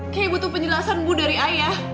kayaknya butuh penjelasan bu dari ayah